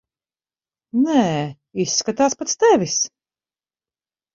Nē, izskatās pēc tevis.